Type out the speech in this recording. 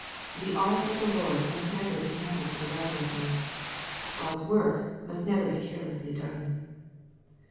The ark of the Lord must never be handled irreverently. God's work must never be carelessly done.